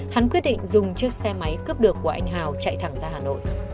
hắn quyết định dùng chiếc xe máy cướp được của anh hào chạy thẳng ra hà nội